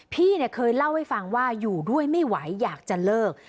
พี่เคยเล่าให้ฟังว่าอยู่ด้วยไม่ไหวอยากจะเลิก